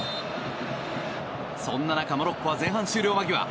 そんな中、モロッコは前半終了間際。